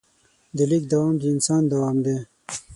د لیک دوام د انسان دوام دی.